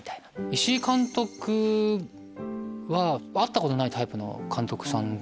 石井監督は会ったことないタイプの監督さんで。